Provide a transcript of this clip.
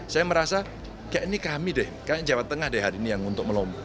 saya merasa kayak ini kami deh kayaknya jawa tengah deh hari ini yang untuk melompat